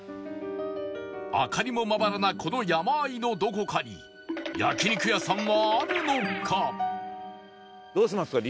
明かりもまばらなこの山あいのどこかに焼肉屋さんはあるのか？